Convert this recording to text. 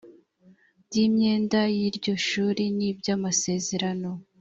by imyenda y iryo shuri n iby amasezerano